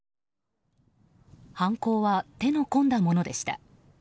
犯行は手の込んだものでした。